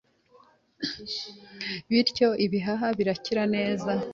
Bityo ibihaha bigakira neza